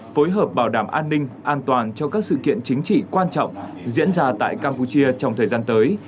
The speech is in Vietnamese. phối hợp bảo đảm an ninh an toàn cho các sự kiện chính trị quan trọng diễn ra tại campuchia trong thời gian tới